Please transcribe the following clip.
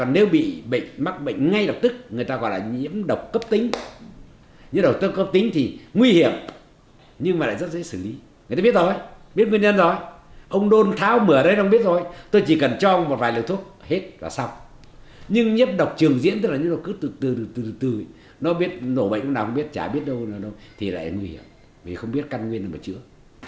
nhưng nhiếp độc trường diễn tức là cứ từ từ nó biết nổ bệnh nào cũng biết chả biết đâu thì lại nguy hiểm vì không biết căn nguyên là mà chữa